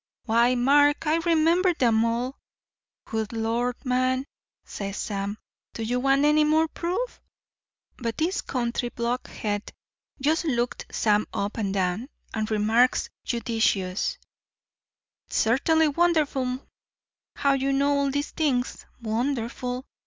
Why, Mark, I remember 'em all. Good lord, man,' says Sam, 'do you want any more proof?' "But this country blockhead just looked Sam up and down, and remarks judicious: 'It's certainly wonderful how you know all these things. Wonderful.